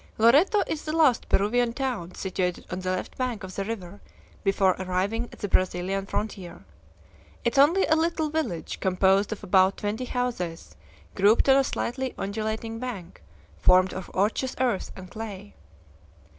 Loreto is the last Peruvian town situated on the left bank of the river before arriving at the Brazilian frontier. It is only a little village, composed of about twenty houses, grouped on a slightly undulating bank, formed of ocherous earth and clay.